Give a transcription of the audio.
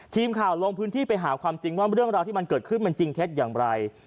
ทีมข่าวลงพื้นที่ไปหาความจริงว่าเรื่องราวที่มันเกิดขึ้นมันจริงเท็จอย่างไร